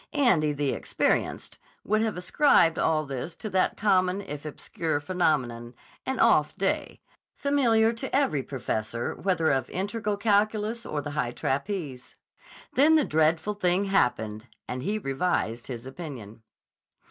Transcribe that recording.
Andy, the Experienced, would have ascribed all this to that common if obscure phenomenon, an "off day," familiar to every professor whether of integral calculus or the high trapeze. Then the dreadful thing happened, and he revised his opinion.